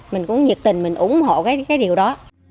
mình cũng nhiệt tình mình ủng hộ cái điều đó